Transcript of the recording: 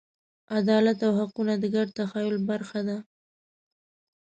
عدالت او حقونه د ګډ تخیل برخه ده.